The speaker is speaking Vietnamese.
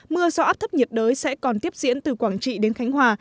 mưa do áp thấp nhiệt đới sẽ còn tiếp diễn từ quảng trị đến khánh hòa